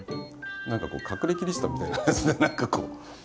何かこう隠れキリシタンみたいな感じで何かこう。